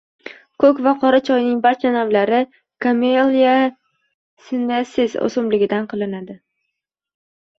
Ko’k va qora choyning barcha navlari Camellia Sinensis o’simligidan qilinadi.